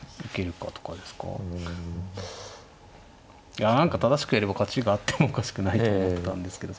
いや何か正しくやれば勝ちがあってもおかしくないと思ってたんですけど